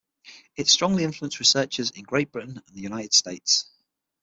It strongly influenced researchers in Great Britain and the United States.